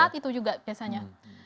saat itu juga biasanya